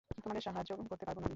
তোমাদের সাহায্য করতে পারব না আমি।